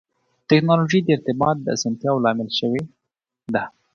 ټکنالوجي د ارتباط د اسانتیا لامل شوې ده.